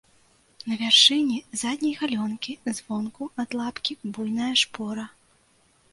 На вяршыні задняй галёнкі звонку ад лапкі буйная шпора.